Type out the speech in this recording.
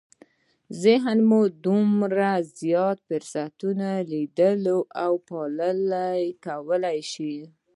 ذهن مو همدومره زیات فرصتونه ليدلی او پلي کولای شي.